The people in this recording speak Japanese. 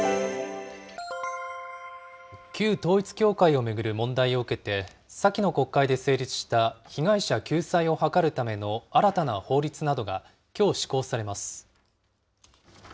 旧統一教会を巡る問題を受けて、先の国会で成立した被害者救済を図るための新たな法律などが、きょう施行されます。